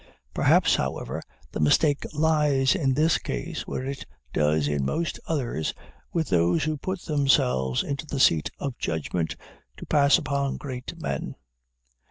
Perhaps, however, the mistake lies in this case, where it does in most others, with those who put themselves into the seat of judgment to pass upon great men.